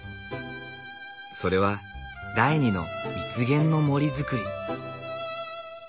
それは第２の蜜源の森づくり。